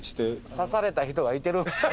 さされた人がいてるんすね。